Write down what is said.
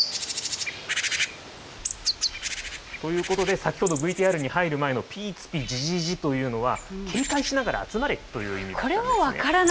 ということで、先ほど、ＶＴＲに入る前のピーツピヂヂヂというのは、警戒しながら集まれという意味だったんですね。